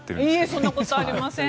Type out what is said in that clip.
そんなことありません。